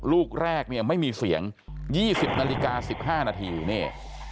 ลูกแรกเนี่ยไม่มีเสียง๒๐นาฬิกา๑๕นาทีนี่